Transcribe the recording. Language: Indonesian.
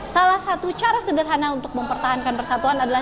salah satu cara sederhana untuk mempertahankan persatuan adalah